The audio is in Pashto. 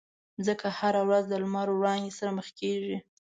مځکه هره ورځ د لمر د وړانګو سره مخ کېږي.